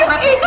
itu salah bayu